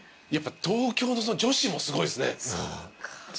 やっぱ東京の女子もすごいっすね。